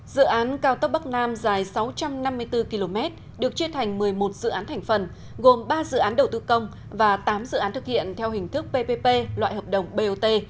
dự án cao tốc bắc nam dài sáu trăm năm mươi bốn km được chia thành một mươi một dự án thành phần gồm ba dự án đầu tư công và tám dự án thực hiện theo hình thức ppp loại hợp đồng bot